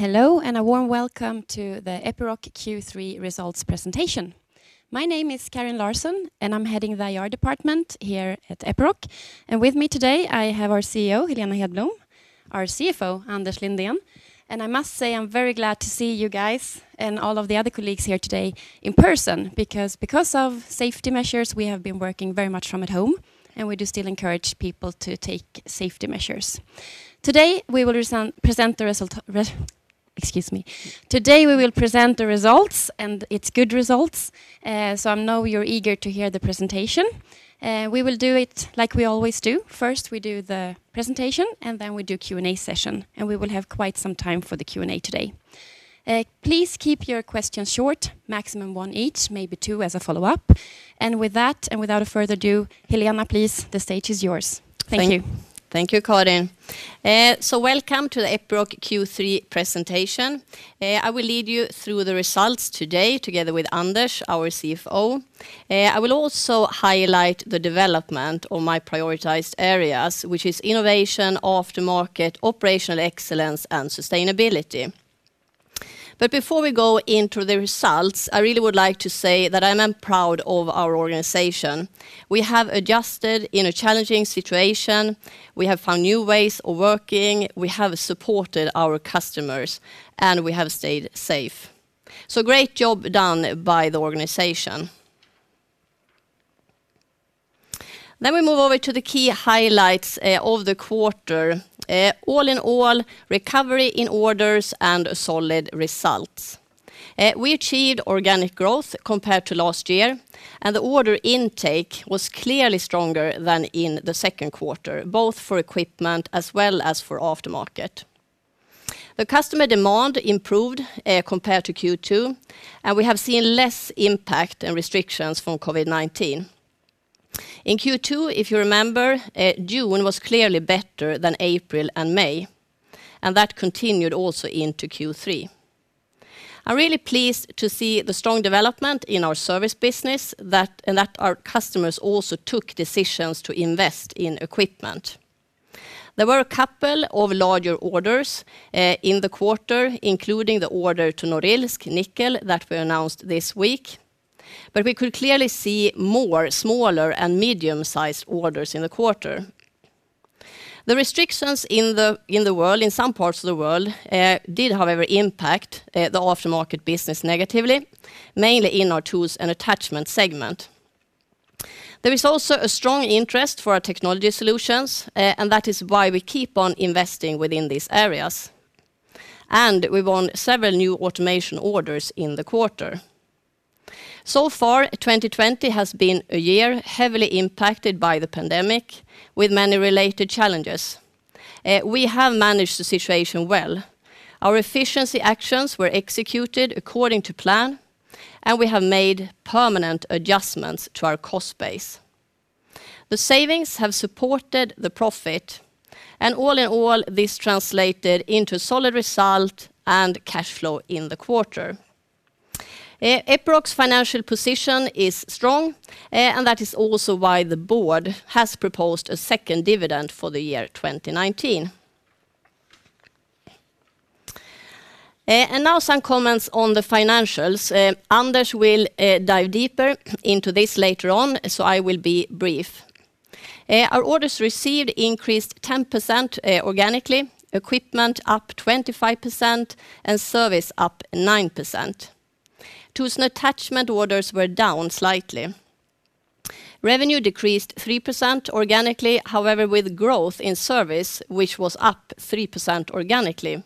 Hello, a warm welcome to the Epiroc Q3 results presentation. My name is Karin Larsson, and I'm heading the IR department here at Epiroc. With me today, I have our CEO, Helena Hedblom, our CFO, Anders Lindén, and I must say, I'm very glad to see you guys and all of the other colleagues here today in person. Because of safety measures, we have been working very much from at home, and we do still encourage people to take safety measures. Today, we will present the results, and it's good results, so I know you're eager to hear the presentation. We will do it like we always do. First, we do the presentation, and then we do Q&A session, and we will have quite some time for the Q&A today. Please keep your questions short, maximum one each, maybe two as a follow-up. With that, and without further ado, Helena, please, the stage is yours. Thank you. Thank you, Karin. Welcome to the Epiroc Q3 presentation. I will lead you through the results today together with Anders, our CFO. I will also highlight the development of my prioritized areas, which is innovation, aftermarket, operational excellence, and sustainability. Before we go into the results, I really would like to say that I am proud of our organization. We have adjusted in a challenging situation. We have found new ways of working. We have supported our customers, and we have stayed safe. Great job done by the organization. We move over to the key highlights of the quarter. All in all, recovery in orders and solid results. We achieved organic growth compared to last year, and the order intake was clearly stronger than in the second quarter, both for equipment as well as for aftermarket. The customer demand improved, compared to Q2, and we have seen less impact and restrictions from COVID-19. In Q2, if you remember, June was clearly better than April and May, and that continued also into Q3. I'm really pleased to see the strong development in our service business and that our customers also took decisions to invest in equipment. There were a couple of larger orders in the quarter, including the order to Norilsk Nickel that we announced this week. We could clearly see more smaller and medium-sized orders in the quarter. The restrictions in some parts of the world did, however, impact the aftermarket business negatively, mainly in our Tools & Attachments segment. There is also a strong interest for our technology solutions, and that is why we keep on investing within these areas. We won several new automation orders in the quarter. Far, 2020 has been a year heavily impacted by the pandemic with many related challenges. We have managed the situation well. Our efficiency actions were executed according to plan, we have made permanent adjustments to our cost base. The savings have supported the profit, all in all, this translated into a solid result and cash flow in the quarter. Epiroc's financial position is strong, that is also why the board has proposed a second dividend for the year 2019. Now some comments on the financials. Anders will dive deeper into this later on, I will be brief. Our orders received increased 10% organically, equipment up 25%, service up 9%. Tools & Attachments orders were down slightly. Revenue decreased 3% organically, however, with growth in service, which was up 3% organically.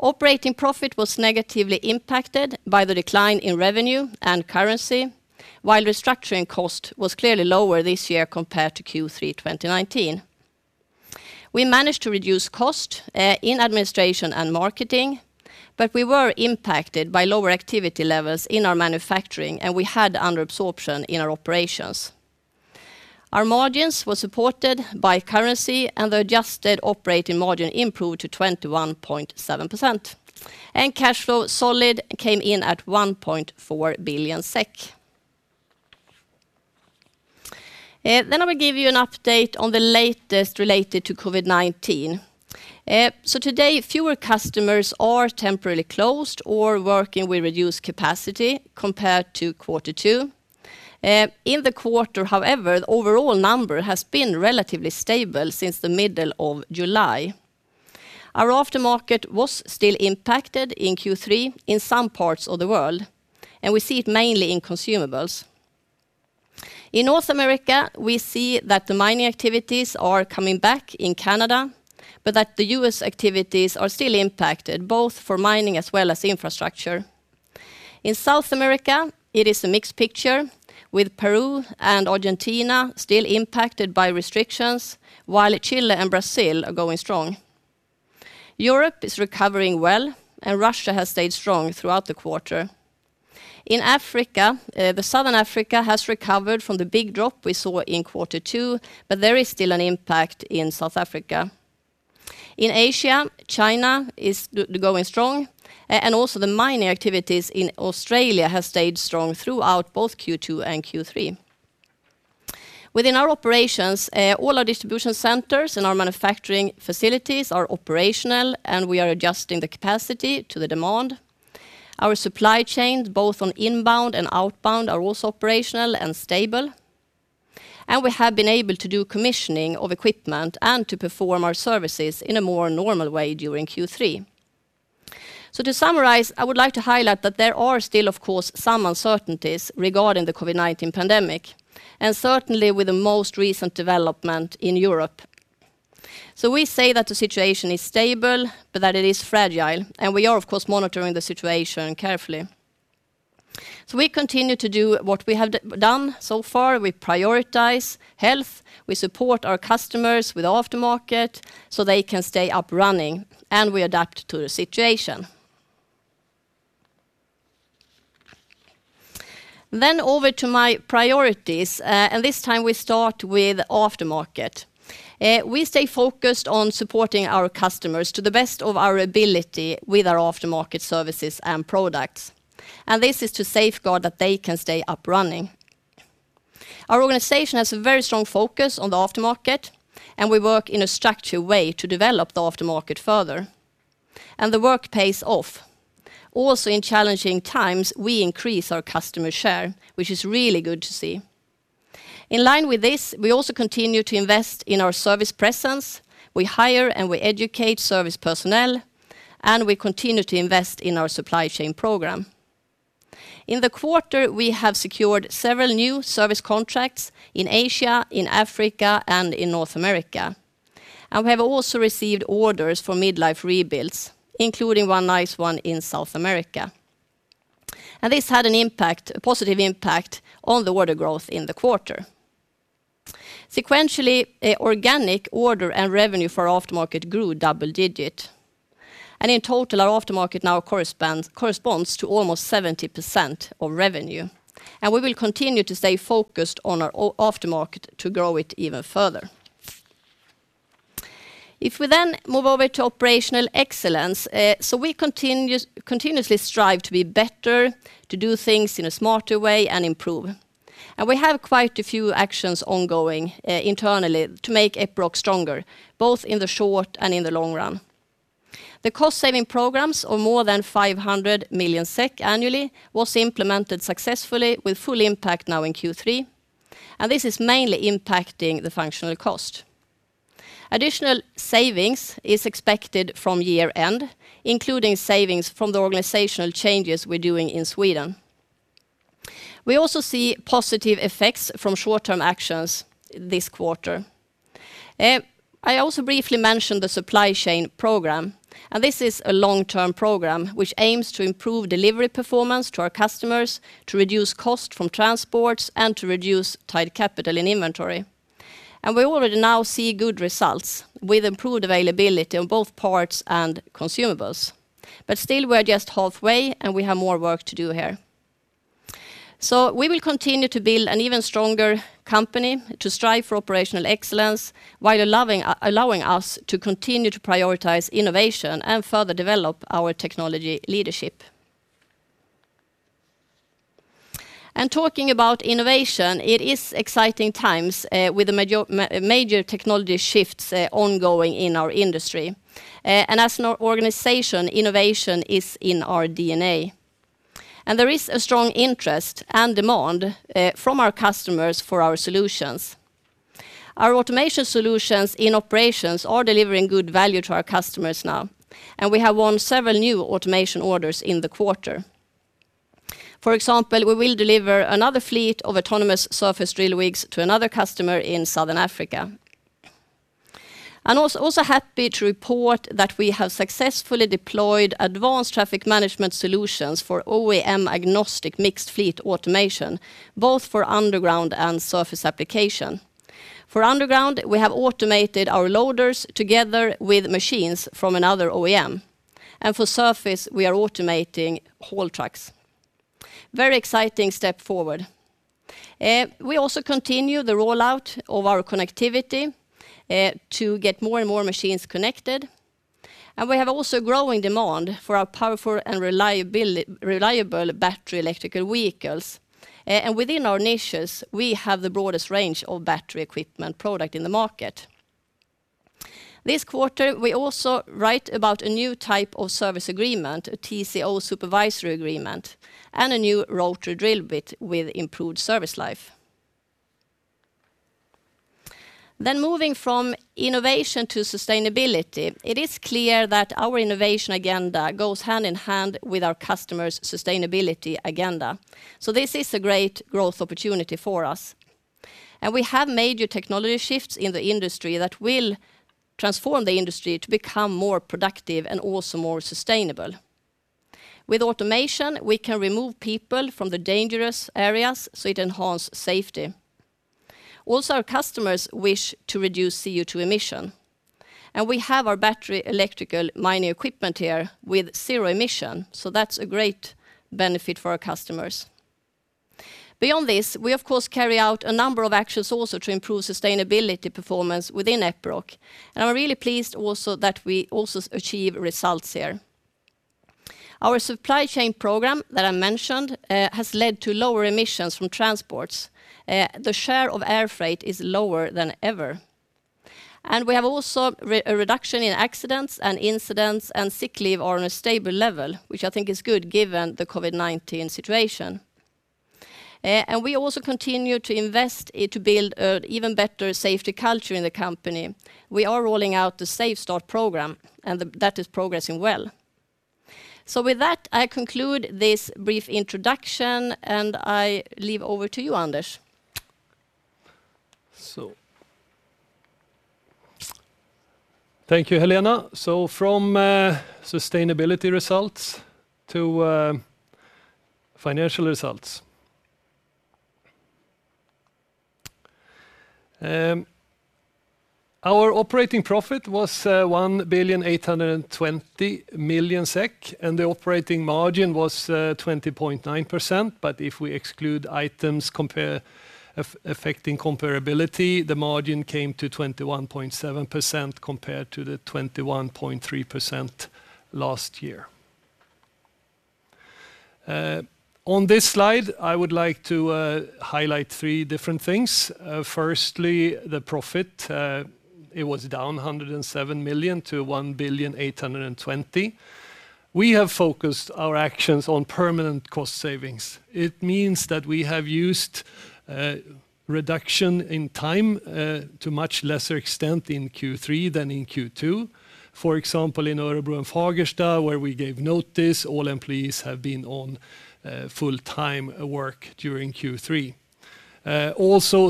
Operating profit was negatively impacted by the decline in revenue and currency, while restructuring cost was clearly lower this year compared to Q3 2019. We managed to reduce cost in administration and marketing. We were impacted by lower activity levels in our manufacturing, and we had under-absorption in our operations. Our margins were supported by currency. The adjusted operating margin improved to 21.7%. Cash flow, solid, came in at 1.4 billion SEK. I will give you an update on the latest related to COVID-19. Today, fewer customers are temporarily closed or working with reduced capacity compared to quarter two. In the quarter, however, the overall number has been relatively stable since the middle of July. Our aftermarket was still impacted in Q3 in some parts of the world. We see it mainly in consumables. In North America, we see that the mining activities are coming back in Canada, that the U.S. activities are still impacted, both for mining as well as infrastructure. In South America, it is a mixed picture, with Peru and Argentina still impacted by restrictions, while Chile and Brazil are going strong. Europe is recovering well, Russia has stayed strong throughout the quarter. In Africa, the southern Africa has recovered from the big drop we saw in Q2, there is still an impact in South Africa. In Asia, China is going strong, also the mining activities in Australia have stayed strong throughout both Q2 and Q3. Within our operations, all our distribution centers and our manufacturing facilities are operational, we are adjusting the capacity to the demand. Our supply chains, both on inbound and outbound, are also operational and stable. We have been able to do commissioning of equipment and to perform our services in a more normal way during Q3. To summarize, I would like to highlight that there are still, of course, some uncertainties regarding the COVID-19 pandemic, and certainly with the most recent development in Europe. We say that the situation is stable, but that it is fragile, and we are, of course, monitoring the situation carefully. We continue to do what we have done so far. We prioritize health, we support our customers with aftermarket so they can stay up running, and we adapt to the situation. Over to my priorities, and this time we start with aftermarket. We stay focused on supporting our customers to the best of our ability with our aftermarket services and products. This is to safeguard that they can stay up running. Our organization has a very strong focus on the aftermarket, and we work in a structured way to develop the aftermarket further. The work pays off. Also in challenging times, we increase our customer share, which is really good to see. In line with this, we also continue to invest in our service presence. We hire and we educate service personnel, and we continue to invest in our supply chain program. In the quarter, we have secured several new service contracts in Asia, in Africa, and in North America. We have also received orders for midlife rebuilds, including one nice one in South America. This had a positive impact on the order growth in the quarter. Sequentially, organic order and revenue for aftermarket grew double-digit. In total, our aftermarket now corresponds to almost 70% of revenue. We will continue to stay focused on our aftermarket to grow it even further. If we move over to operational excellence. We continuously strive to be better, to do things in a smarter way, and improve. We have quite a few actions ongoing internally to make Epiroc stronger, both in the short and in the long run. The cost-saving programs of more than 500 million SEK annually was implemented successfully with full impact now in Q3, and this is mainly impacting the functional cost. Additional savings is expected from year-end, including savings from the organizational changes we're doing in Sweden. We also see positive effects from short-term actions this quarter. I also briefly mentioned the supply chain program, and this is a long-term program which aims to improve delivery performance to our customers, to reduce cost from transports, and to reduce tied capital in inventory. We already now see good results with improved availability on both parts and consumables. Still, we're just halfway, and we have more work to do here. We will continue to build an even stronger company to strive for operational excellence while allowing us to continue to prioritize innovation and further develop our technology leadership. Talking about innovation, it is exciting times with major technology shifts ongoing in our industry. As an organization, innovation is in our DNA. There is a strong interest and demand from our customers for our solutions. Our automation solutions in operations are delivering good value to our customers now, and we have won several new automation orders in the quarter. For example, we will deliver another fleet of autonomous surface drill rigs to another customer in Southern Africa. I'm also happy to report that we have successfully deployed advanced traffic management solutions for OEM-agnostic mixed fleet automation, both for underground and surface application. For underground, we have automated our loaders together with machines from another OEM. For surface, we are automating haul trucks. Very exciting step forward. We also continue the rollout of our connectivity to get more and more machines connected. We have also growing demand for our powerful and reliable battery electrical vehicles. Within our niches, we have the broadest range of battery equipment product in the market. This quarter, we also write about a new type of service agreement, a TCO supervisory agreement, and a new rotary drill bit with improved service life. Moving from innovation to sustainability. It is clear that our innovation agenda goes hand in hand with our customers' sustainability agenda. This is a great growth opportunity for us. We have major technology shifts in the industry that will transform the industry to become more productive and also more sustainable. With automation, we can remove people from the dangerous areas, so it enhance safety. Also, our customers wish to reduce CO2 emission. We have our battery electrical mining equipment here with zero emission, so that's a great benefit for our customers. Beyond this, we of course carry out a number of actions also to improve sustainability performance within Epiroc. I'm really pleased also that we also achieve results here. Our supply chain program that I mentioned has led to lower emissions from transports. The share of air freight is lower than ever. We have also a reduction in accidents and incidents, and sick leave are on a stable level, which I think is good given the COVID-19 situation. We also continue to invest to build an even better safety culture in the company. We are rolling out the SafeStart program, and that is progressing well. With that, I conclude this brief introduction, and I leave over to you, Anders. Thank you, Helena. From sustainability results to financial results. Our operating profit was 1,820,000,000 SEK, and the operating margin was 20.9%. If we exclude items affecting comparability, the margin came to 21.7% compared to the 21.3% last year. On this slide, I would like to highlight three different things. Firstly, the profit. It was down 107 million to 1,820,000,000. We have focused our actions on permanent cost savings. It means that we have used reduction in time to much lesser extent in Q3 than in Q2. For example, in Örebro and Fagersta, where we gave notice, all employees have been on full-time work during Q3.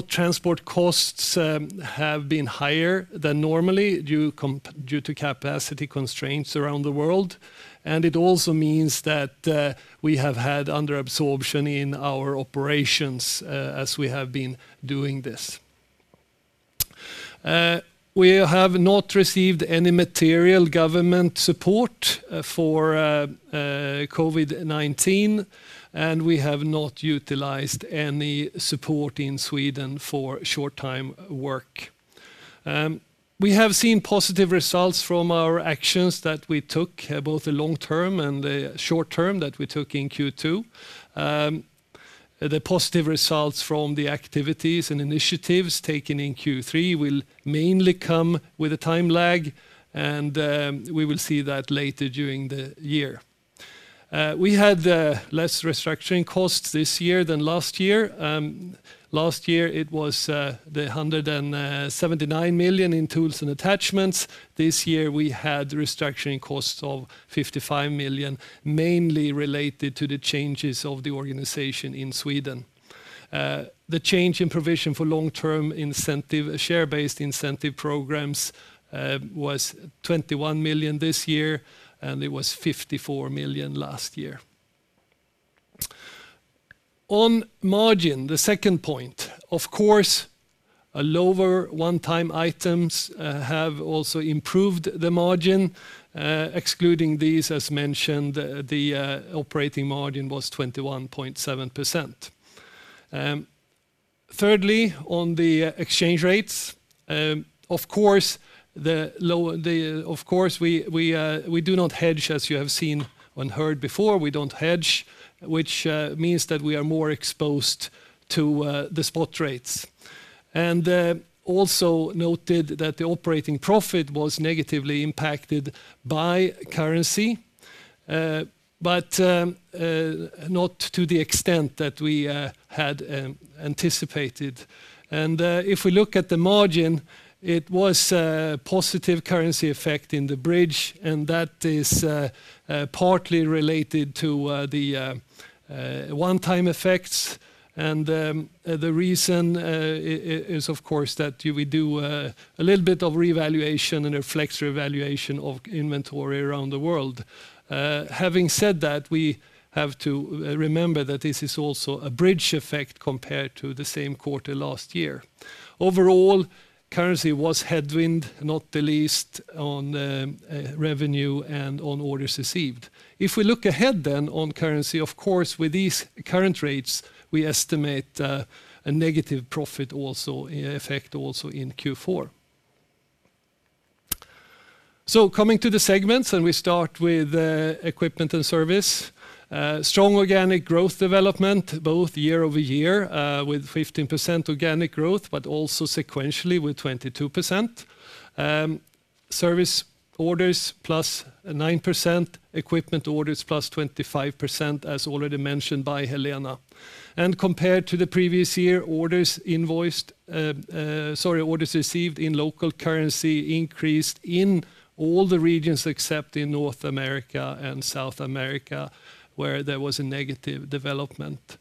Transport costs have been higher than normally due to capacity constraints around the world. It also means that we have had under-absorption in our operations as we have been doing this. We have not received any material government support for COVID-19, we have not utilized any support in Sweden for short-time work. We have seen positive results from our actions that we took, both the long term and the short term that we took in Q2. The positive results from the activities and initiatives taken in Q3 will mainly come with a time lag, we will see that later during the year. We had less restructuring costs this year than last year. Last year it was the 179 million in Tools & Attachments. This year we had restructuring costs of 55 million, mainly related to the changes of the organization in Sweden. The change in provision for long-term incentive, share-based incentive programs, was 21 million this year, it was 54 million last year. On margin, the second point. Of course, lower one-time items have also improved the margin. Excluding these, as mentioned, the operating margin was 21.7%. Thirdly, on the exchange rates. Of course, we do not hedge, as you have seen and heard before. We don't hedge, which means that we are more exposed to the spot rates. Also noted that the operating profit was negatively impacted by currency, but not to the extent that we had anticipated. If we look at the margin, it was a positive currency effect in the bridge, and that is partly related to the one-time effects, and the reason is, of course, that we do a little bit of revaluation and a flex revaluation of inventory around the world. Having said that, we have to remember that this is also a bridge effect compared to the same quarter last year. Overall, currency was headwind, not the least on revenue and on orders received. If we look ahead on currency, of course, with these current rates, we estimate a negative profit effect also in Q4. Coming to the segments, we start with Equipment and Service. Strong organic growth development both year-over-year, with 15% organic growth, also sequentially with 22%. Service orders plus 9%, equipment orders plus 25%, as already mentioned by Helena. Compared to the previous year, orders received in local currency increased in all the regions except in North America and South America, where there was a negative development.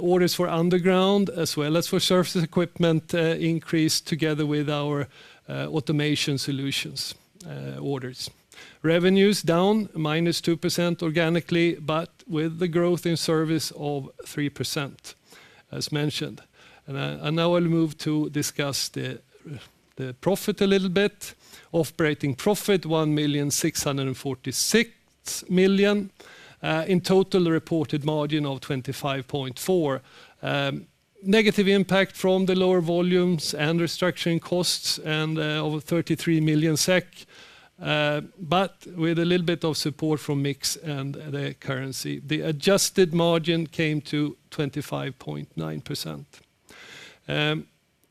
Orders for underground as well as for surface equipment increased together with our automation solutions orders. Revenues down -2% organically, with the growth in service of 3%, as mentioned. Now I'll move to discuss the profit a little bit. Operating profit, 1.646 billion. In total, a reported margin of 25.4%. Negative impact from the lower volumes and restructuring costs and over 33 million SEK with a little bit of support from mix and the currency. The adjusted margin came to 25.9%.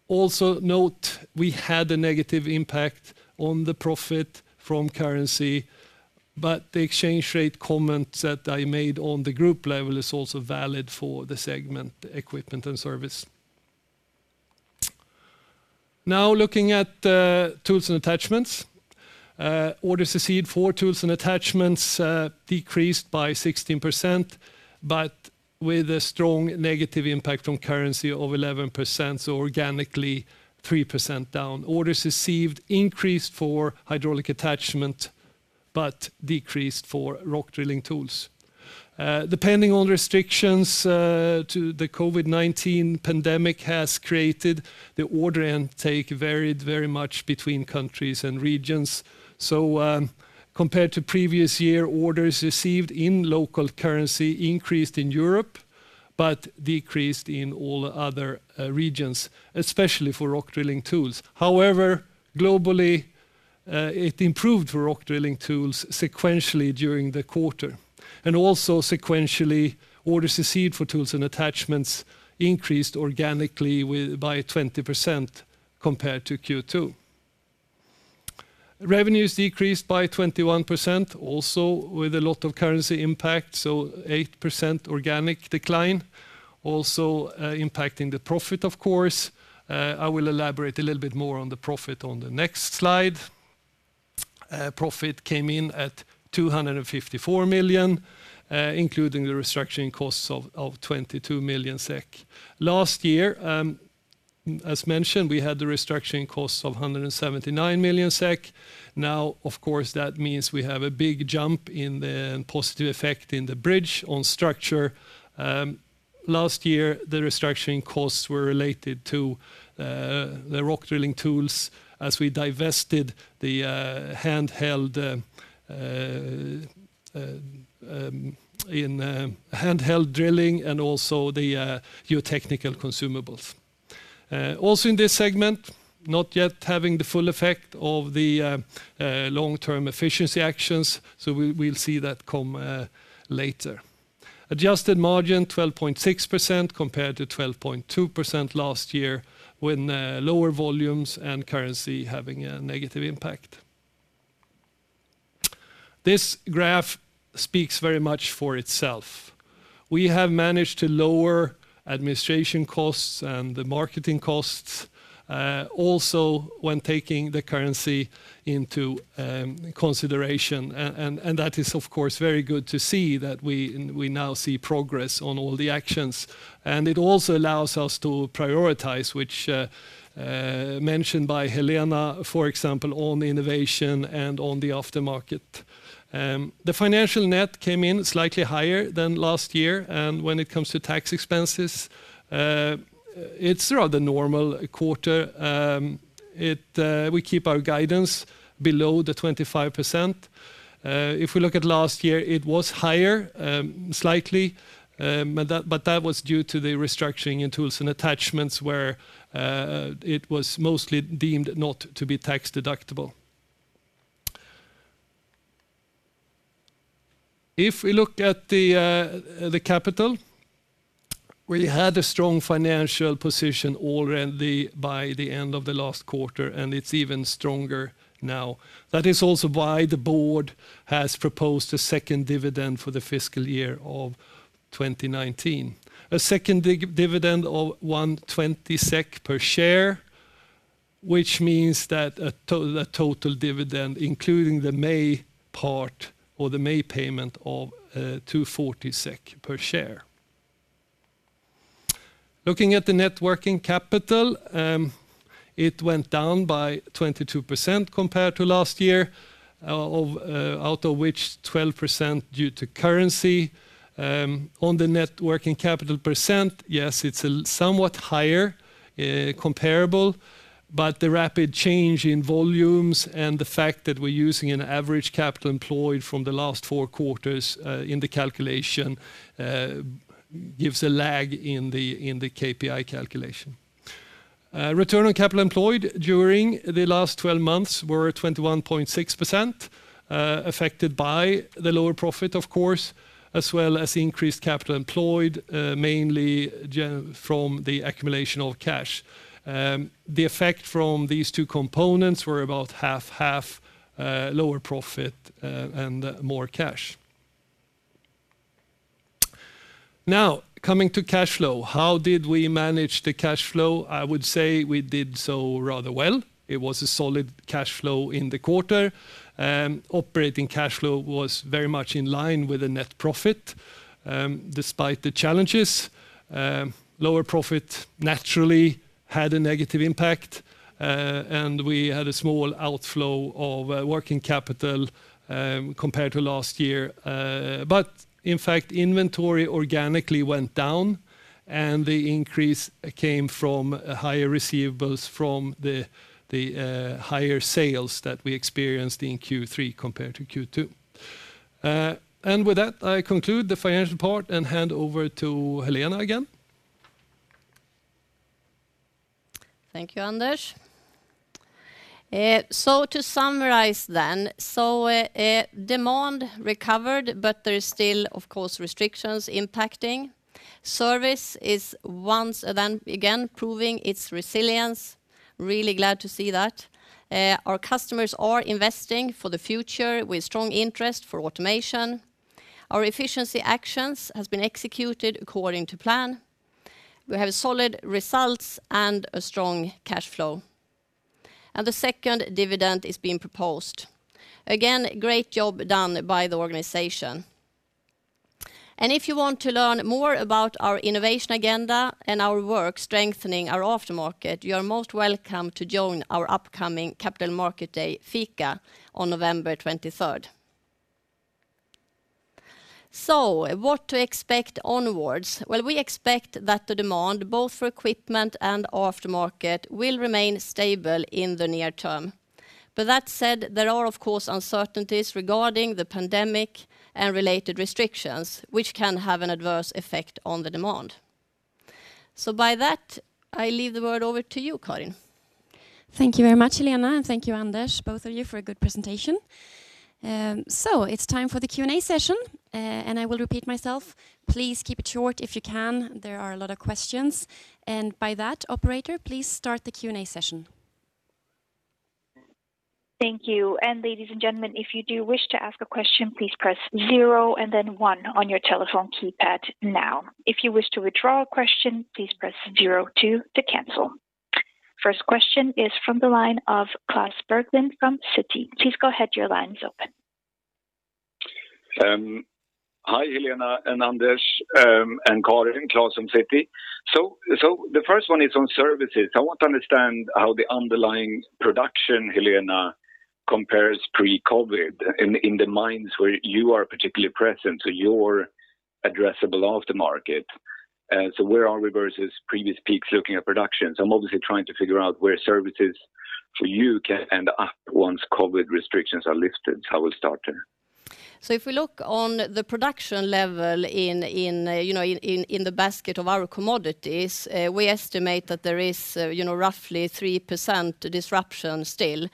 Also note we had a negative impact on the profit from currency, the exchange rate comments that I made on the group level is also valid for the segment Equipment & Service. Looking at Tools & Attachments. Orders received for Tools & Attachments decreased by 16%, with a strong negative impact on currency of 11%, organically 3% down. Orders received increased for hydraulic attachment, decreased for rock drilling tools. Depending on restrictions to the COVID-19 pandemic has created, the order intake varied very much between countries and regions. Compared to previous year, orders received in local currency increased in Europe, decreased in all other regions, especially for rock drilling tools. However, globally, it improved for rock drilling tools sequentially during the quarter, and also sequentially, orders received for Tools & Attachments increased organically by 20% compared to Q2. Revenues decreased by 21%, also with a lot of currency impact, so 8% organic decline also impacting the profit of course. I will elaborate a little bit more on the profit on the next slide. Profit came in at 254 million, including the restructuring costs of 22 million SEK. Last year, as mentioned, we had the restructuring costs of 179 million SEK. Now, of course, that means we have a big jump in the positive effect in the bridge on structure. Last year, the restructuring costs were related to the rock drilling tools as we divested the handheld drilling and also the geotechnical consumables. In this segment, not yet having the full effect of the long-term efficiency actions, we'll see that come later. Adjusted margin 12.6% compared to 12.2% last year, when lower volumes and currency having a negative impact. This graph speaks very much for itself. We have managed to lower administration costs and the marketing costs, also when taking the currency into consideration. That is, of course, very good to see that we now see progress on all the actions. It also allows us to prioritize, which mentioned by Helena, for example, on innovation and on the aftermarket. The financial net came in slightly higher than last year. When it comes to tax expenses, it's a rather normal quarter. We keep our guidance below the 25%. We look at last year, it was higher, slightly, but that was due to the restructuring in Tools & Attachments where it was mostly deemed not to be tax deductible. We look at the capital, we had a strong financial position already by the end of the last quarter, and it's even stronger now. That is also why the board has proposed a second dividend for the fiscal year of 2019. A second dividend of 1.20 SEK per share, which means that a total dividend, including the May part or the May payment of 2.40 SEK per share. Looking at the net working capital, it went down by 22% compared to last year, out of which 12% due to currency. On the net working capital %, yes, it's somewhat higher comparable. The rapid change in volumes and the fact that we're using an average capital employed from the last four quarters in the calculation gives a lag in the KPI calculation. Return on capital employed during the last 12 months were 21.6%, affected by the lower profit, of course, as well as increased capital employed, mainly from the accumulation of cash. The effect from these two components were about 50/50, lower profit and more cash. Coming to cash flow. How did we manage the cash flow? I would say we did so rather well. It was a solid cash flow in the quarter. Operating cash flow was very much in line with the net profit, despite the challenges. Lower profit naturally had a negative impact. We had a small outflow of working capital, compared to last year. In fact, inventory organically went down, and the increase came from higher receivables from the higher sales that we experienced in Q3 compared to Q2. With that, I conclude the financial part and hand over to Helena again. Thank you, Anders. To summarize, demand recovered, there is still, of course, restrictions impacting. Service is once again proving its resilience. Really glad to see that. Our customers are investing for the future with strong interest for automation. Our efficiency actions has been executed according to plan. We have solid results and a strong cash flow. The second dividend is being proposed. Again, great job done by the organization. If you want to learn more about our innovation agenda and our work strengthening our aftermarket, you are most welcome to join our upcoming Capital Market Day Fika on November 23rd. What to expect onwards? Well, we expect that the demand, both for equipment and aftermarket, will remain stable in the near term. That said, there are, of course, uncertainties regarding the pandemic and related restrictions, which can have an adverse effect on the demand. By that, I leave the word over to you, Karin. Thank you very much, Helena, and thank you, Anders, both of you, for a good presentation. It's time for the Q&A session, and I will repeat myself. Please keep it short if you can. There are a lot of questions, and by that, operator, please start the Q&A session. Thank you. Ladies and gentlemen, if you do wish to ask a question, please press zero and then one on your telephone keypad now. If you wish to withdraw a question, please press zero two to cancel. First question is from the line of Klas Bergelind from Citi. Please go ahead. Your line's open. Hi, Helena and Anders and Karin. Klas from Citi. The first one is on services. I want to understand how the underlying production, Helena, compares pre-COVID-19 in the mines where you are particularly present, so your addressable aftermarket. Where are we versus previous peaks looking at production? I'm obviously trying to figure out where services for you can end up once COVID-19 restrictions are lifted. I will start there. If we look on the production level in the basket of our commodities, we estimate that there is roughly 3% disruption still,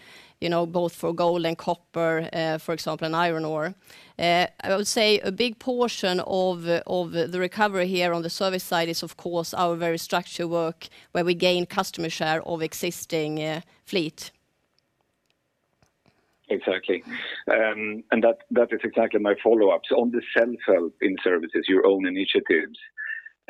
both for gold and copper, for example, and iron ore. I would say a big portion of the recovery here on the service side is, of course, our very structure work where we gain customer share of existing fleet. Exactly. That is exactly my follow-up. On the self-help in services, your own initiatives,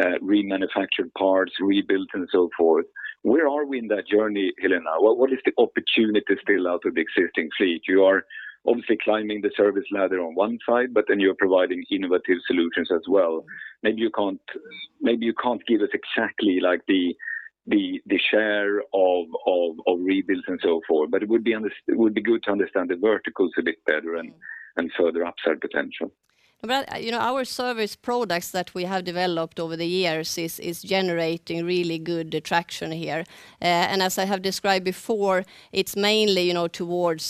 remanufactured parts, rebuilt and so forth, where are we in that journey, Helena? What is the opportunity still out of the existing fleet? You are obviously climbing the service ladder on one side, but then you're providing innovative solutions as well. Maybe you can't give us exactly the share of rebuilds and so forth, but it would be good to understand the verticals a bit better and further upside potential. Well, our service products that we have developed over the years is generating really good traction here. As I have described before, it's mainly towards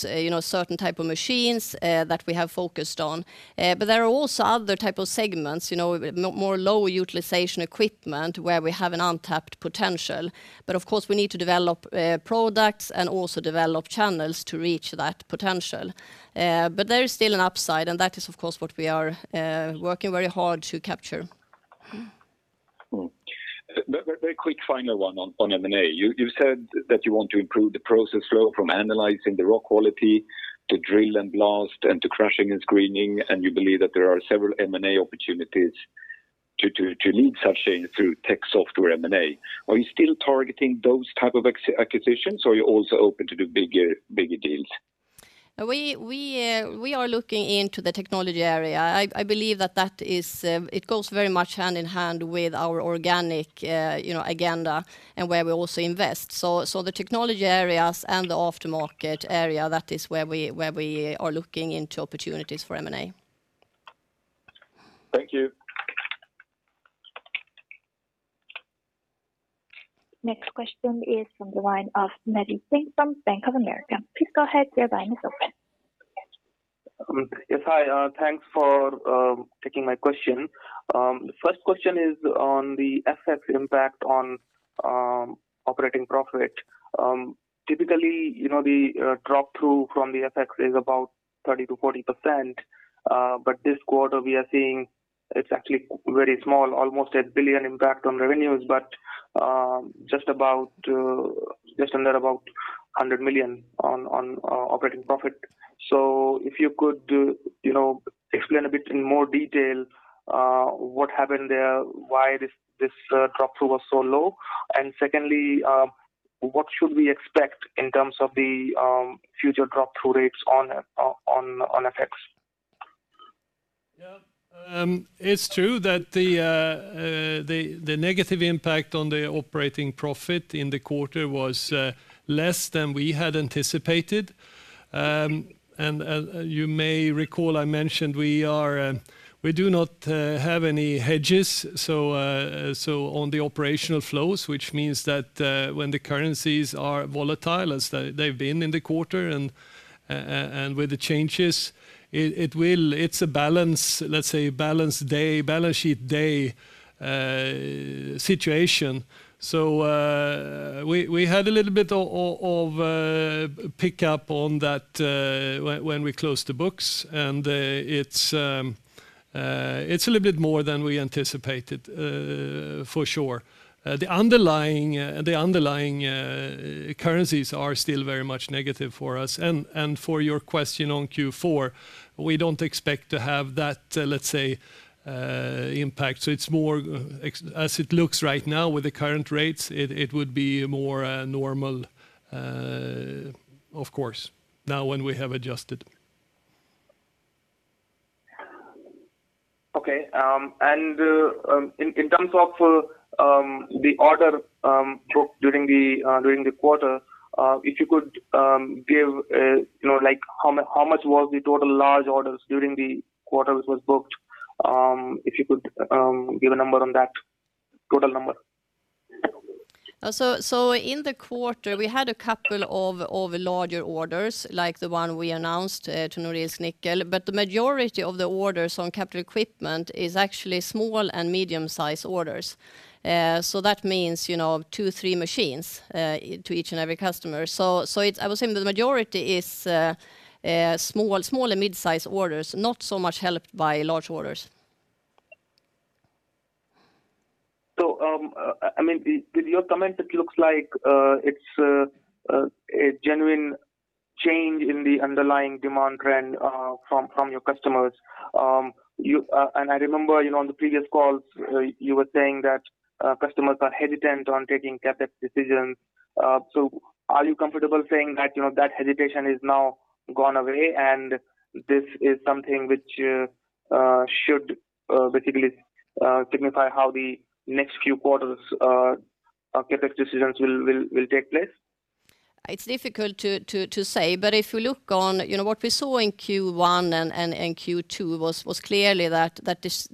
certain type of machines that we have focused on. There are also other type of segments, more low utilization equipment where we have an untapped potential. Of course, we need to develop products and also develop channels to reach that potential. There is still an upside, and that is, of course, what we are working very hard to capture. Very quick final one on M&A. You said that you want to improve the process flow from analyzing the rock quality to drill and blast and to crushing and screening, and you believe that there are several M&A opportunities to lead such change through tech software M&A. Are you still targeting those type of acquisitions, or are you also open to do bigger deals? We are looking into the technology area. I believe that it goes very much hand in hand with our organic agenda and where we also invest. The technology areas and the aftermarket area, that is where we are looking into opportunities for M&A. Thank you. Next question is from the line of Maddy Singh from Bank of America. Please go ahead. Your line is open. Yes. Hi. Thanks for taking my question. First question is on the FX impact on operating profit. Typically, the drop-through from the FX is about 30%-40%, but this quarter we are seeing it's actually very small, almost a 1 billion impact on revenues, but just under about 100 million on operating profit. If you could explain a bit in more detail what happened there, why this drop-through was so low. Secondly, what should we expect in terms of the future drop-through rates on FX? It's true that the negative impact on the operating profit in the quarter was less than we had anticipated. You may recall, I mentioned we do not have any hedges on the operational flows, which means that when the currencies are volatile, as they've been in the quarter, and with the changes, it's a balance sheet day situation. We had a little bit of a pickup on that when we closed the books, and it's a little bit more than we anticipated, for sure. The underlying currencies are still very much negative for us. For your question on Q4, we don't expect to have that impact. As it looks right now with the current rates, it would be more normal, of course, now when we have adjusted. Okay. In terms of the order booked during the quarter, if you could give how much was the total large orders during the quarter that was booked, if you could give a number on that, total number? In the quarter, we had a couple of larger orders like the one we announced to Norilsk Nickel. The majority of the orders on capital equipment is actually small and medium-sized orders. That means two, three machines to each and every customer. I would say the majority is small and mid-size orders, not so much helped by large orders. With your comment, it looks like it's a genuine change in the underlying demand trend from your customers. I remember on the previous calls, you were saying that customers are hesitant on taking CapEx decisions. Are you comfortable saying that hesitation is now gone away, and this is something which should basically signify how the next few quarters of CapEx decisions will take place? It's difficult to say, but if you look on what we saw in Q1 and Q2 was clearly that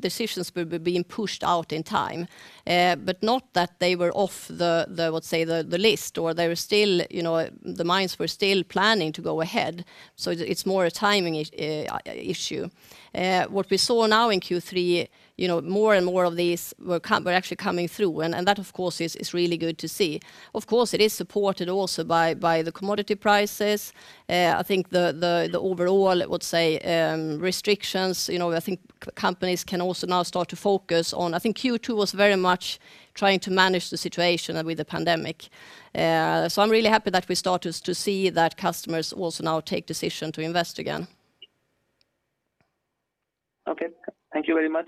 decisions were being pushed out in time, but not that they were off the list or the mines were still planning to go ahead. It's more a timing issue. What we saw now in Q3, more and more of these were actually coming through, and that, of course, is really good to see. Of course, it is supported also by the commodity prices. I think Q2 was very much trying to manage the situation with the pandemic. I'm really happy that we started to see that customers also now take decision to invest again. Okay. Thank you very much.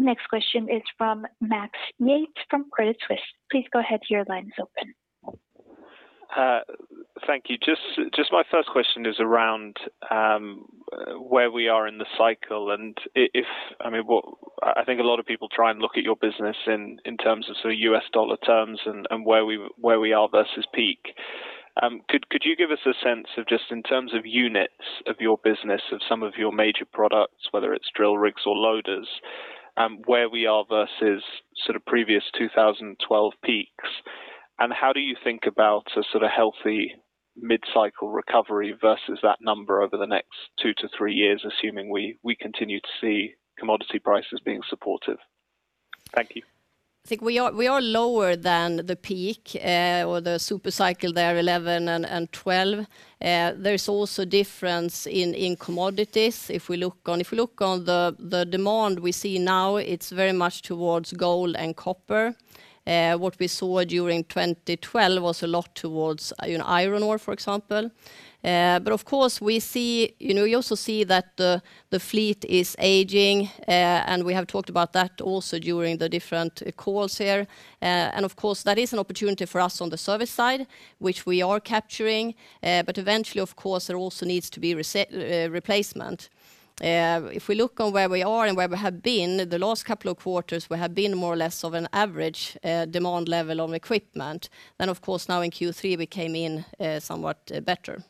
Next question is from Max Yates from Credit Suisse. Please go ahead, your line's open. Thank you. Just my first question is around where we are in the cycle, and I think a lot of people try and look at your business in terms of U.S. dollar terms and where we are versus peak. Could you give us a sense of just in terms of units of your business of some of your major products, whether it is drill rigs or loaders, where we are versus sort of previous 2012 peaks? And how do you think about a sort of healthy mid-cycle recovery versus that number over the next two to three years, assuming we continue to see commodity prices being supportive? Thank you. I think we are lower than the peak or the super cycle there, 2011 and 2012. There is also difference in commodities. If we look on the demand we see now, it's very much towards gold and copper. What we saw during 2012 was a lot towards iron ore, for example. Of course, we also see that the fleet is aging, and we have talked about that also during the different calls here. Of course, that is an opportunity for us on the service side, which we are capturing. Eventually, of course, there also needs to be replacement. If we look on where we are and where we have been, the last couple of quarters, we have been more or less of an average demand level on equipment. Of course, now in Q3, we came in somewhat better.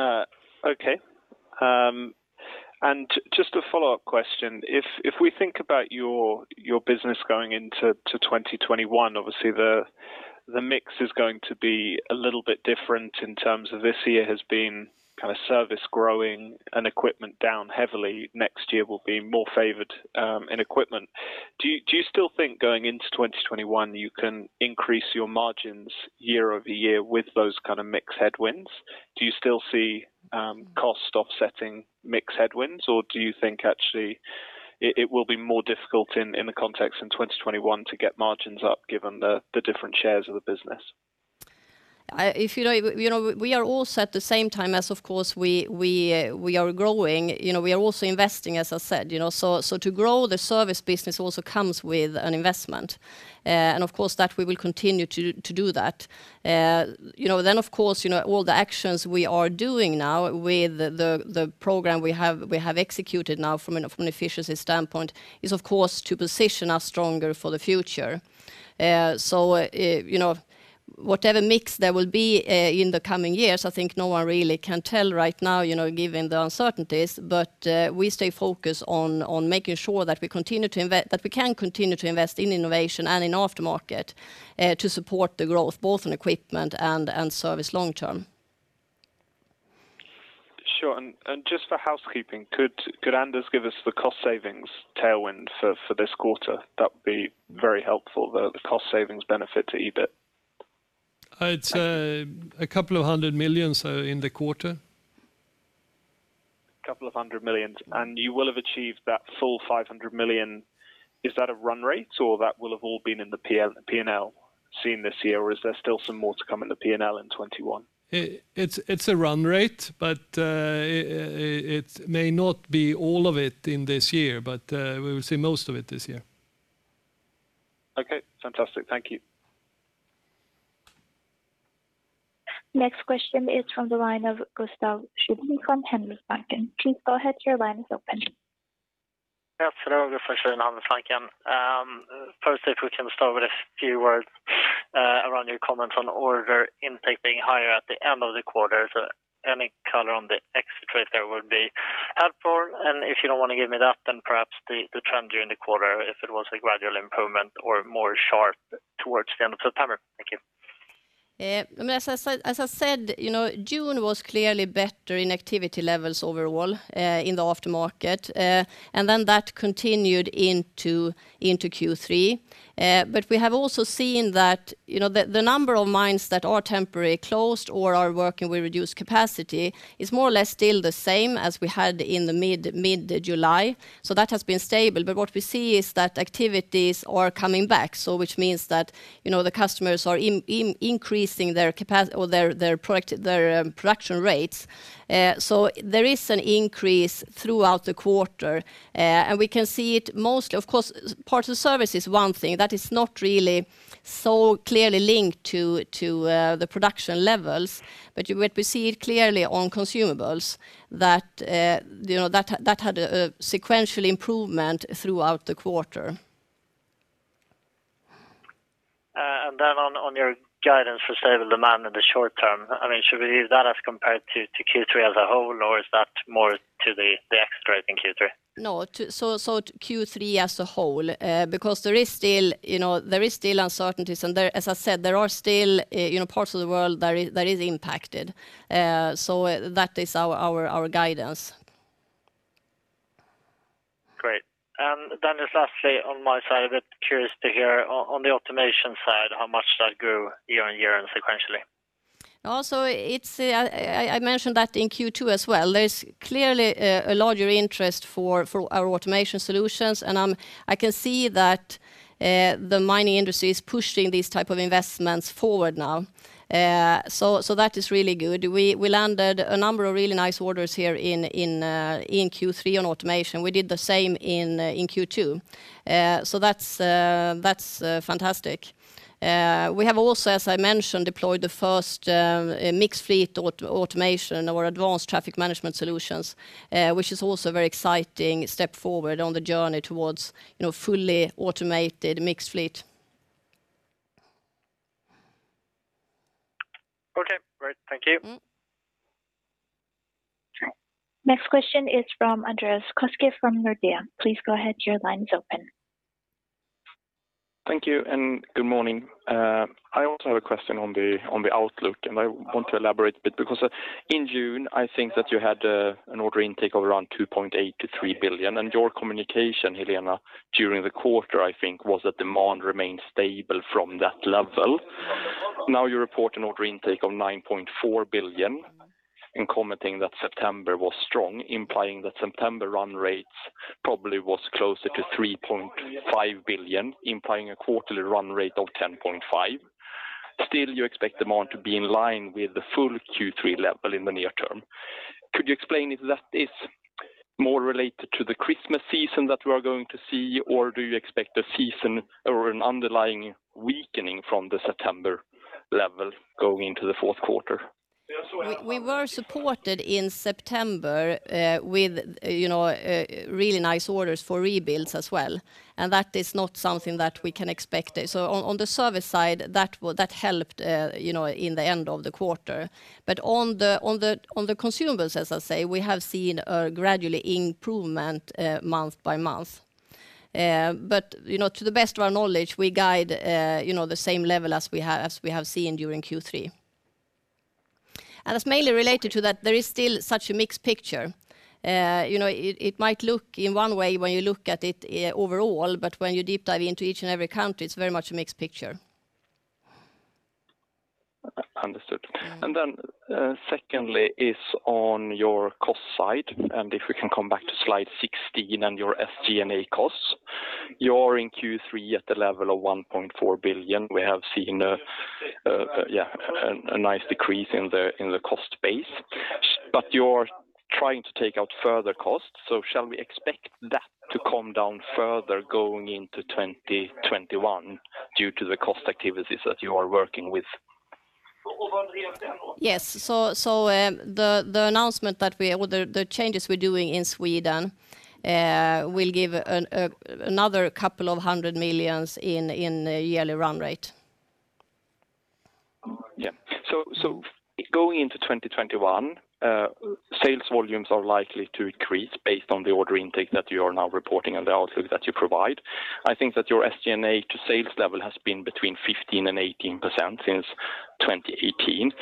Okay. Just a follow-up question. If we think about your business going into 2021, obviously the mix is going to be a little bit different in terms of this year has been kind of service growing and equipment down heavily. Next year will be more favored in equipment. Do you still think going into 2021, you can increase your margins year-over-year with those kind of mix headwinds? Do you still see cost offsetting mix headwinds, or do you think actually it will be more difficult in the context in 2021 to get margins up given the different shares of the business? We are all set the same time as, of course, we are growing, we are also investing, as I said. To grow the service business also comes with an investment. Of course, that we will continue to do that. Of course, all the actions we are doing now with the program we have executed now from an efficiency standpoint is, of course, to position us stronger for the future. Whatever mix there will be in the coming years, I think no one really can tell right now, given the uncertainties. We stay focused on making sure that we can continue to invest in innovation and in aftermarket to support the growth, both in equipment and service long-term. Sure. Just for housekeeping, could Anders give us the cost savings tailwind for this quarter? That would be very helpful, the cost savings benefit to EBIT. It's a couple of SEK 100 million in the quarter. a couple of hundred million. You will have achieved that full 500 million. Is that a run rate or that will have all been in the P&L seen this year or is there still some more to come in the P&L in 2021? It's a run rate, but it may not be all of it in this year, but we will see most of it this year. Okay. Fantastic. Thank you. Next question is from the line of Gustaf Schwerin from Handelsbanken. Please go ahead, your line is open. Yes. Hello. Gustaf Schwerin, Handelsbanken. If we can start with a few words around your comments on order intake being higher at the end of the quarter. Any color on the exit rate there would be helpful. If you don't want to give me that, then perhaps the trend during the quarter, if it was a gradual improvement or more sharp towards the end of September. Thank you. As I said, June was clearly better in activity levels overall in the aftermarket. That continued into Q3. We have also seen that the number of mines that are temporarily closed or are working with reduced capacity is more or less still the same as we had in the mid-July. That has been stable. What we see is that activities are coming back, so which means that the customers are increasing their production rates. There is an increase throughout the quarter. We can see it mostly, of course, parts of service is one thing that is not really so clearly linked to the production levels. We see it clearly on consumables that had a sequential improvement throughout the quarter. On your guidance for stable demand in the short term, should we view that as compared to Q3 as a whole, or is that more to the exit in Q3? No, Q3 as a whole. There is still uncertainties and as I said, there are still parts of the world that is impacted. That is our guidance. Great. Just lastly on my side, a bit curious to hear on the automation side how much that grew year-on-year and sequentially. I mentioned that in Q2 as well. There's clearly a larger interest for our automation solutions. I can see that the mining industry is pushing these type of investments forward now. That is really good. We landed a number of really nice orders here in Q3 on automation. We did the same in Q2. That's fantastic. We have also, as I mentioned, deployed the first mixed fleet automation or advanced traffic management solutions, which is also a very exciting step forward on the journey towards fully automated mixed fleet. Okay, great. Thank you. Next question is from Andreas Koski from Nordea. Please go ahead, your line is open. Thank you and good morning. I also have a question on the outlook, and I want to elaborate a bit because in June, I think that you had an order intake of around 2.8 billion-3 billion, and your communication, Helena, during the quarter, I think, was that demand remained stable from that level. You report an order intake of 9.4 billion and commenting that September was strong, implying that September run rates probably was closer to 3.5 billion, implying a quarterly run rate of 10.5 billion. You expect demand to be in line with the full Q3 level in the near term. Could you explain if that is more related to the Christmas season that we are going to see, or do you expect a season or an underlying weakening from the September level going into the fourth quarter? We were supported in September with really nice orders for rebuilds as well. That is not something that we can expect. On the service side, that helped in the end of the quarter. On the consumables, as I say, we have seen a gradual improvement month by month. To the best of our knowledge, we guide the same level as we have seen during Q3. It's mainly related to that there is still such a mixed picture. It might look in one way when you look at it overall, but when you deep dive into each and every country, it's very much a mixed picture. Understood. Secondly is on your cost side, if we can come back to slide 16 and your SG&A costs. You're in Q3 at the level of 1.4 billion. We have seen a nice decrease in the cost base. You're trying to take out further costs. Shall we expect that to come down further going into 2021 due to the cost activities that you are working with? Yes. the changes we're doing in Sweden will give another couple of hundred millions in yearly run rate. Yeah. Going into 2021, sales volumes are likely to increase based on the order intake that you are now reporting and the outlook that you provide. I think that your SG&A to sales level has been between 15% and 18% since 2018.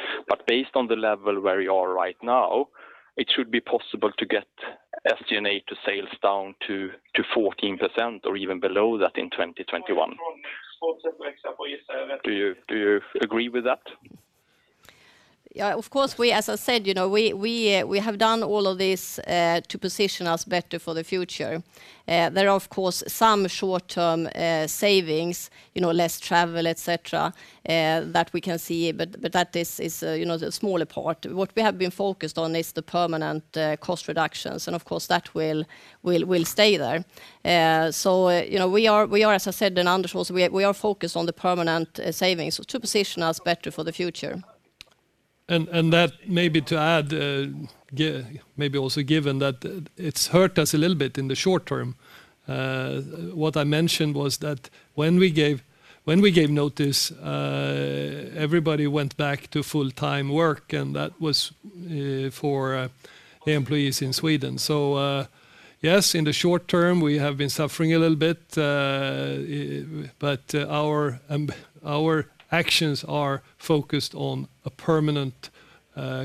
Based on the level where you are right now, it should be possible to get SG&A to sales down to 14% or even below that in 2021. Do you agree with that? Yeah. As I said, we have done all of this to position us better for the future. There are, of course, some short-term savings, less travel, et cetera, that we can see, but that is the smaller part. What we have been focused on is the permanent cost reductions, and of course, that will stay there. We are, as I said, and Anders also, we are focused on the permanent savings to position us better for the future. That, maybe to add, maybe also given that it's hurt us a little bit in the short term. What I mentioned was that when we gave notice, everybody went back to full-time work, and that was for the employees in Sweden. Yes, in the short term, we have been suffering a little bit, but our actions are focused on a permanent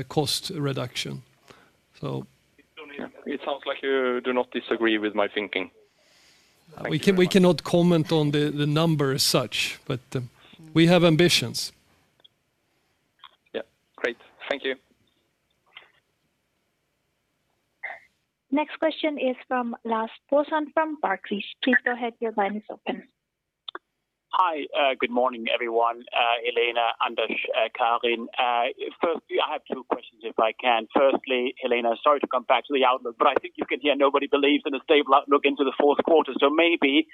cost reduction. It sounds like you do not disagree with my thinking. Thank you very much. We cannot comment on the number as such, but we have ambitions. Yeah. Great. Thank you. Next question is from Lars Brorson from Barclays. Please go ahead. Your line is open. Hi. Good morning, everyone. Helena, Anders, Karin. Firstly, I have two questions if I can. Firstly, Helena, sorry to come back to the outlook, I think you can hear nobody believes in a stable outlook into the fourth quarter. Maybe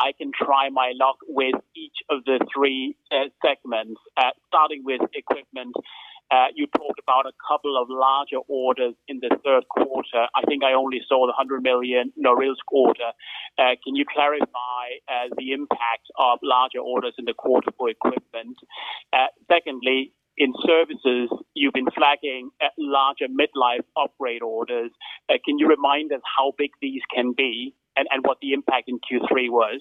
I can try my luck with each of the three segments. Starting with equipment, you talked about a couple of larger orders in the third quarter. I think I only saw the 100 million Norilsk order. Can you clarify the impact of larger orders in the quarter for equipment? Secondly, in services, you've been flagging larger midlife operate orders. Can you remind us how big these can be and what the impact in Q3 was?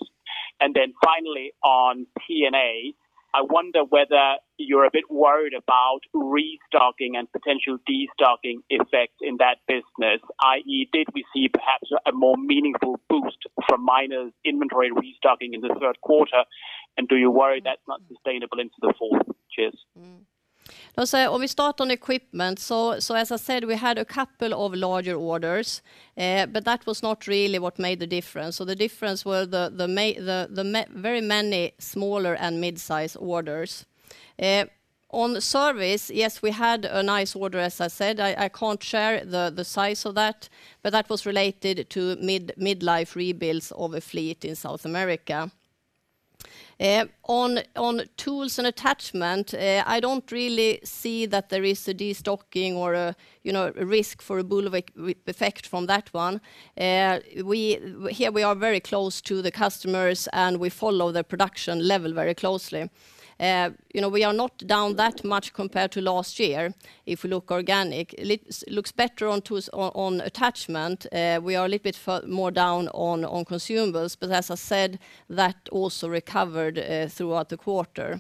Then finally, on T&A, I wonder whether you're a bit worried about restocking and potential destocking effects in that business, i.e., did we see perhaps a more meaningful boost from miners' inventory restocking in the third quarter, and do you worry that's not sustainable into the fourth? Cheers. Lars, if we start on equipment, as I said, we had a couple of larger orders, that was not really what made the difference. The difference were the very many smaller and mid-size orders. On service, yes, we had a nice order as I said. I can't share the size of that was related to mid-life rebuilds of a fleet in South America. On Tools & Attachments, I don't really see that there is a destocking or a risk for a bullwhip effect from that one. Here we are very close to the customers, we follow their production level very closely. We are not down that much compared to last year, if we look organic. Looks better on Attachments. We are a little bit more down on consumables, as I said, that also recovered throughout the quarter.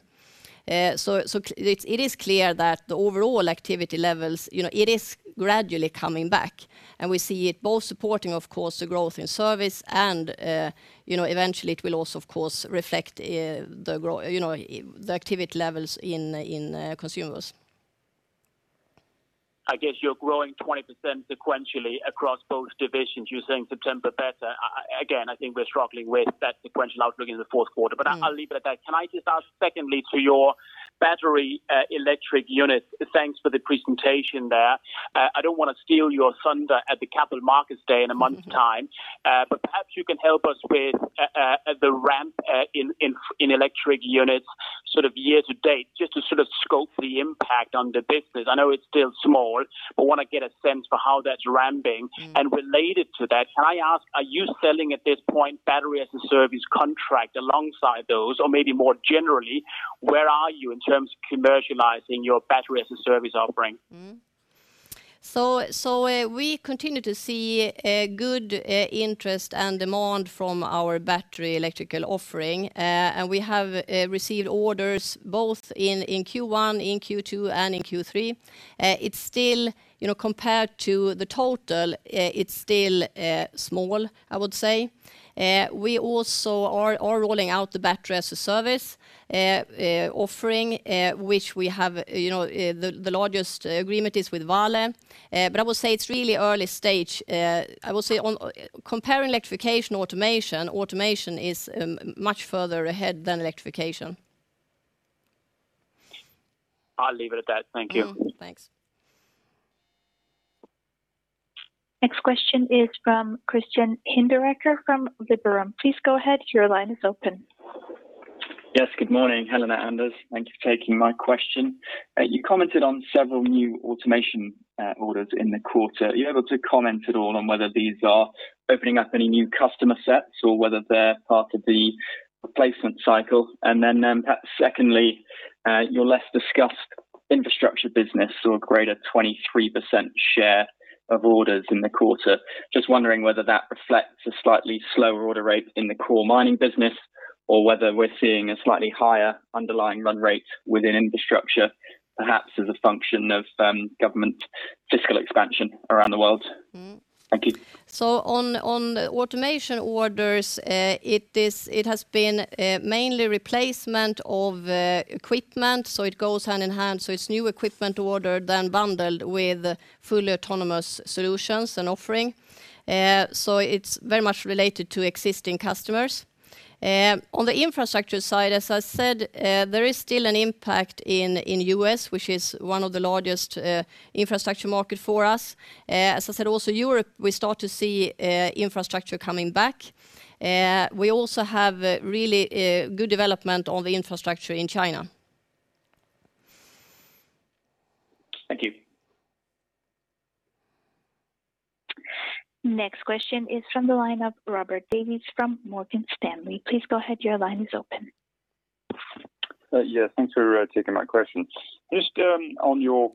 It is clear that the overall activity levels, it is gradually coming back, and we see it both supporting, of course, the growth in service and eventually it will also, of course, reflect the activity levels in consumables. I guess you're growing 20% sequentially across both divisions. You're saying September better. Again, I think we're struggling with that sequential outlook in the fourth quarter, but I'll leave it at that. Can I just ask secondly to your battery electric units, thanks for the presentation there. I don't want to steal your thunder at the Capital Market Day in a month's time, but perhaps you can help us with the ramp in electric units year to date, just to scope the impact on the business. I know it's still small, but want to get a sense for how that's ramping. Related to that, can I ask, are you selling at this point battery as a service contract alongside those? Maybe more generally, where are you in terms of commercializing your battery as a service offering? We continue to see good interest and demand from our battery electrical offering, and we have received orders both in Q1, in Q2, and in Q3. Compared to the total, it's still small, I would say. We also are rolling out the battery as a service offering. The largest agreement is with Vale. I will say it's really early stage. I will say comparing electrification automation is much further ahead than electrification. I'll leave it at that. Thank you. Thanks. Next question is from Christian Hinderaker from Liberum. Please go ahead. Your line is open. Yes, good morning, Helena, Anders. Thank you for taking my question. You commented on several new automation orders in the quarter. Are you able to comment at all on whether these are opening up any new customer sets or whether they're part of the replacement cycle? Perhaps secondly, your less discussed infrastructure business saw a greater 23% share of orders in the quarter. Just wondering whether that reflects a slightly slower order rate in the core mining business, or whether we're seeing a slightly higher underlying run rate within infrastructure, perhaps as a function of government fiscal expansion around the world. Thank you. On automation orders, it has been mainly replacement of equipment. It goes hand in hand. It's new equipment ordered, then bundled with fully autonomous solutions and offering. It's very much related to existing customers. On the infrastructure side, as I said, there is still an impact in U.S., which is one of the largest infrastructure market for us. As I said, also Europe, we start to see infrastructure coming back. We also have really good development on the infrastructure in China. Thank you. Next question is from the line of Robert Davies from Morgan Stanley. Please go ahead. Yeah, thanks for taking my question. Just on your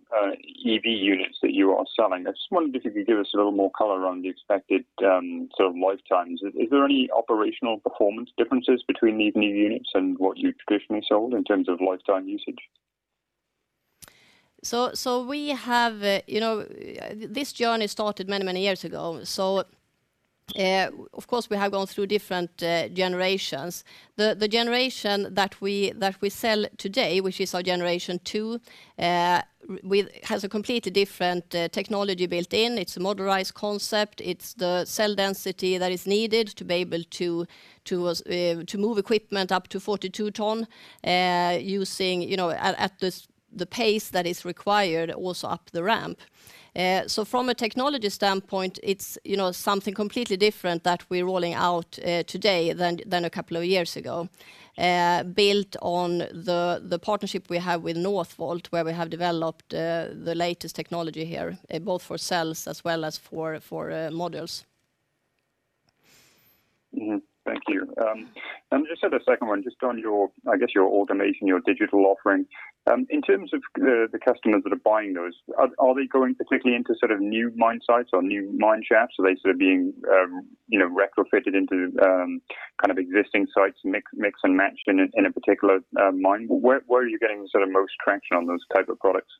EV units that you are selling, I just wondered if you could give us a little more color on the expected sort of lifetimes. Is there any operational performance differences between these new units and what you've traditionally sold in terms of lifetime usage? This journey started many years ago. Of course, we have gone through different generations. The generation that we sell today, which is our generation two, has a completely different technology built in. It's a modularized concept. It's the cell density that is needed to be able to move equipment up to 42 tons using at the pace that is required also up the ramp. From a technology standpoint, it's something completely different that we're rolling out today than a couple of years ago, built on the partnership we have with Northvolt, where we have developed the latest technology here, both for cells as well as for modules. Thank you. Just as a second one, just on your, I guess, your automation, your digital offering. In terms of the customers that are buying those, are they going particularly into sort of new mine sites or new mine shafts? Are they sort of being retrofitted into existing sites, mix and matched in a particular mine? Where are you getting sort of most traction on those type of products?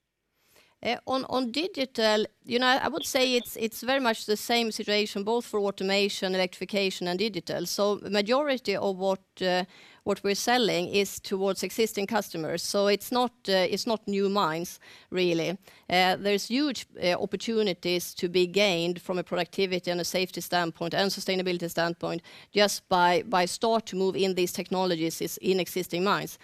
On digital, I would say it's very much the same situation both for automation, electrification, and digital. Majority of what we're selling is towards existing customers. It's not new mines really. There's huge opportunities to be gained from a productivity and a safety standpoint and sustainability standpoint just by start to move in these technologies in existing mines.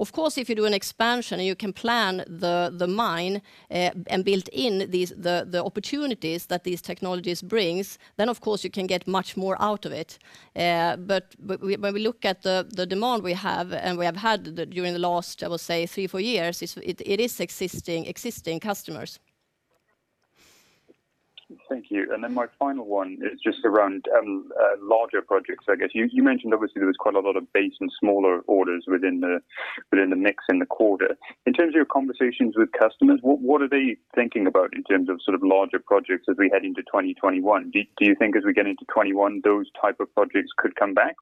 Of course, if you do an expansion and you can plan the mine, and built in the opportunities that these technologies brings, then of course you can get much more out of it. When we look at the demand we have and we have had during the last, I will say three, four years, it is existing customers. Thank you. My final one is just around larger projects, I guess. You mentioned obviously there was quite a lot of base and smaller orders within the mix in the quarter. In terms of your conversations with customers, what are they thinking about in terms of sort of larger projects as we head into 2021? Do you think as we get into 2021, those type of projects could come back?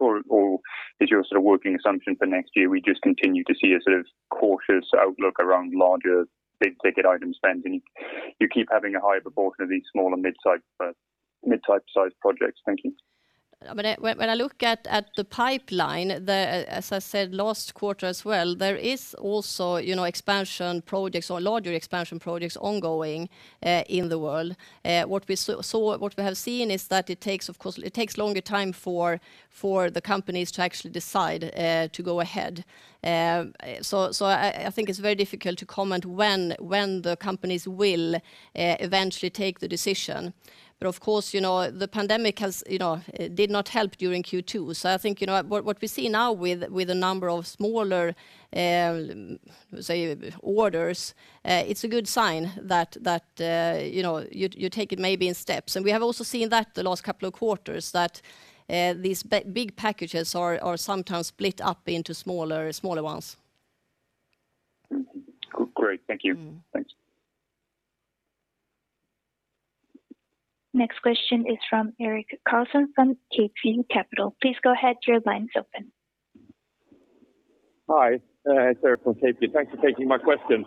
Is your sort of working assumption for next year, we just continue to see a sort of cautious outlook around larger, big-ticket item spending? You keep having a high proportion of these small and mid-type sized projects. Thank you. When I look at the pipeline, as I said last quarter as well, there is also expansion projects or larger expansion projects ongoing in the world. What we have seen is that it takes longer time for the companies to actually decide to go ahead. I think it's very difficult to comment when the companies will eventually take the decision. Of course, the pandemic did not help during Q2. I think what we see now with a number of smaller orders, it's a good sign that you take it maybe in steps. We have also seen that the last couple of quarters, that these big packages are sometimes split up into smaller ones. Great. Thank you. Thanks. Next question is from Erik Karlsson from CapeView Capital. Please go ahead. Your line's open. Hi, it's Erik from CapeView. Thanks for taking my question.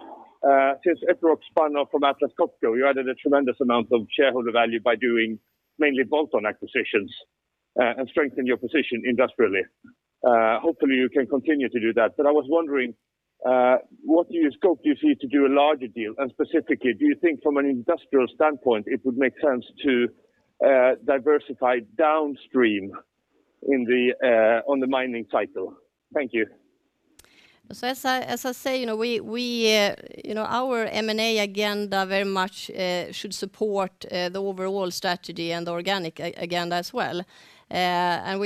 Since Epiroc spun off from Atlas Copco, you added a tremendous amount of shareholder value by doing mainly bolt-on acquisitions and strengthen your position industrially. Hopefully, you can continue to do that. I was wondering, what scope do you see to do a larger deal? Specifically, do you think from an industrial standpoint, it would make sense to diversify downstream in the mining cycle? Thank you. As I say, our M&A agenda very much should support the overall strategy and the organic agenda as well. We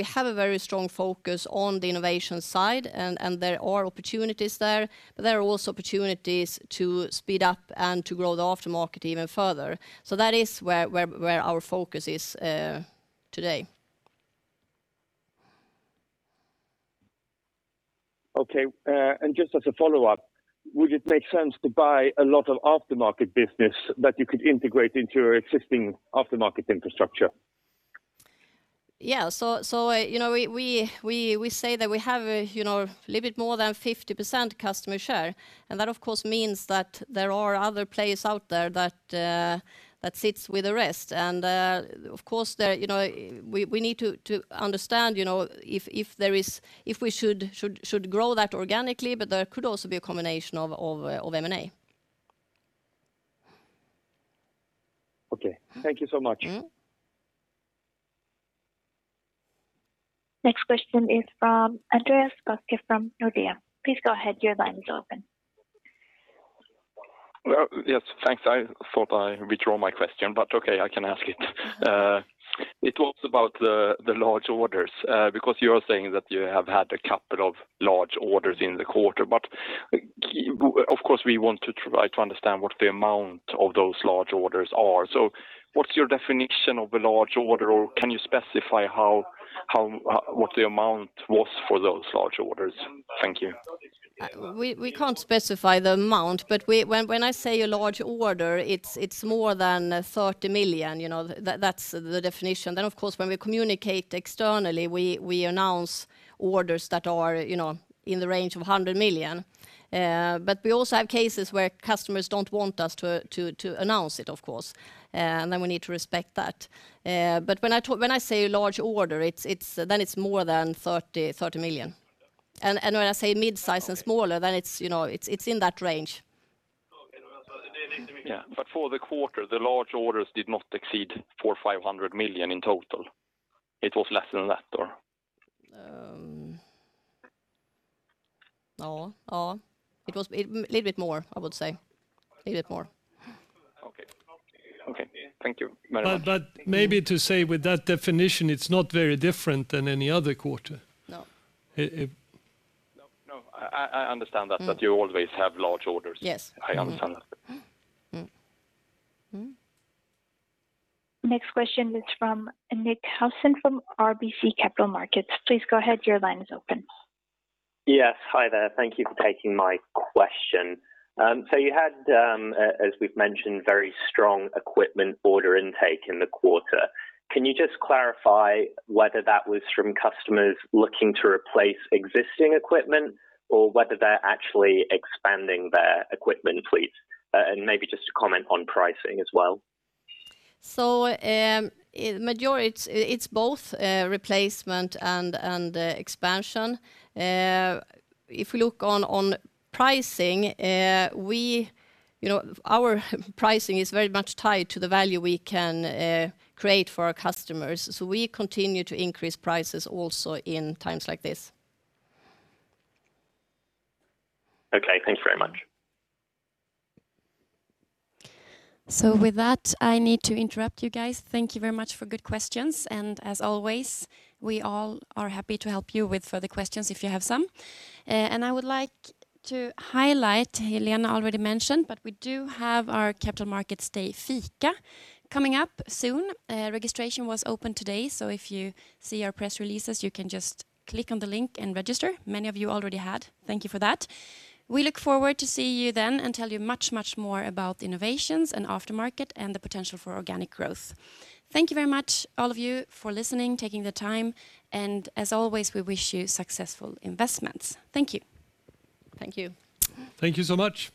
have a very strong focus on the innovation side, and there are opportunities there, but there are also opportunities to speed up and to grow the aftermarket even further. That is where our focus is today. Okay. Just as a follow-up, would it make sense to buy a lot of aftermarket business that you could integrate into your existing aftermarket infrastructure? Yes. We say that we have a little bit more than 50% customer share, that of course means that there are other players out there that sits with the rest. Of course, we need to understand if we should grow that organically, but there could also be a combination of M&A. Okay. Thank you so much. Next question is from Andreas Koski from Nordea. Please go ahead. Your line is open. Well, yes, thanks. I thought I withdraw my question. Okay, I can ask it. It was about the large orders, because you are saying that you have had a couple of large orders in the quarter. Of course, we want to try to understand what the amount of those large orders are. What's your definition of a large order, or can you specify what the amount was for those large orders? Thank you. We can't specify the amount, when I say a large order, it's more than 30 million. That's the definition. Of course, when we communicate externally, we announce orders that are in the range of 100 million. We also have cases where customers don't want us to announce it, of course, and then we need to respect that. When I say a large order, then it's more than 30 million. When I say mid-size and smaller, then it's in that range. Okay. For the quarter, the large orders did not exceed 400 million or 500 million in total. It was less than that, or? It was a little bit more, I would say. A little bit more. Okay. Thank you very much. Maybe to say with that definition, it's not very different than any other quarter. No. No, I understand that you always have large orders. Yes. I understand that. Next question is from Nick Housden from RBC Capital Markets. Please go ahead. Your line is open. Yes, hi there. Thank you for taking my question. You had, as we've mentioned, very strong equipment order intake in the quarter. Can you just clarify whether that was from customers looking to replace existing equipment or whether they're actually expanding their equipment fleet? Maybe just to comment on pricing as well. It's both replacement and expansion. If we look on pricing, our pricing is very much tied to the value we can create for our customers. We continue to increase prices also in times like this. Okay. Thank you very much. With that, I need to interrupt you guys. Thank you very much for good questions. As always, we all are happy to help you with further questions if you have some. I would like to highlight, Helena already mentioned, but we do have our Capital Market Day Fika coming up soon. Registration was open today, so if you see our press releases, you can just click on the link and register. Many of you already had. Thank you for that. We look forward to see you then and tell you much more about the innovations and aftermarket and the potential for organic growth. Thank you very much, all of you, for listening, taking the time, and as always, we wish you successful investments. Thank you. Thank you. Thank you so much.